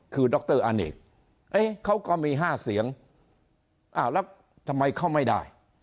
คือดรอัานเองเขาก็มี๕เสียงแล้วทำไมเขาไม่ได้